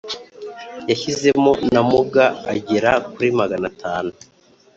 yashyizemo n’amuga agera kuri magana atanu.